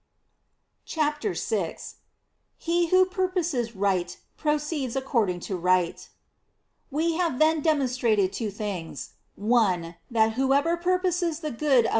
'' I CHAPTER VI (_ITe who purposes Right proceeds according to Right, ' f" I. We have then demonstrated two things: one, that whoever purposes the good of the 21.